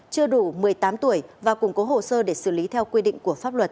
chưa đủ một mươi tám tuổi và củng cố hồ sơ để xử lý theo quy định của pháp luật